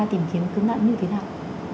tìm kiếm cứu nạn như thế nào